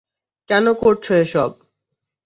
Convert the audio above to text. কেন করছো এসব?